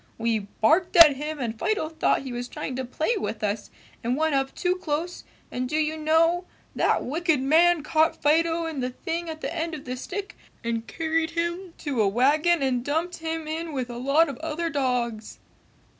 We barked at him and Fido thought he was trying to play with us and went up too close and do you know, that wicked man caught Fido in the thing at the end of the stick and carried him to a wagon and dumped him in with a lot of other dogs!"